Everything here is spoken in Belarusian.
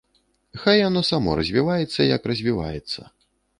Хай яно само развіваецца, як развіваецца.